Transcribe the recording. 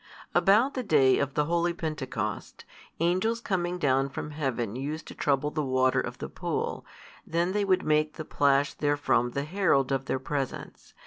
About the day of the holy Pentecost, Angels coming down from heaven used to trouble the water of the pool, then they would make the plash therefrom the herald of their presence.